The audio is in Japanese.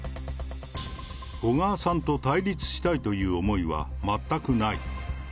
小川さんと対立したいという思いは全くない。